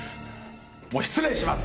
もう失礼します！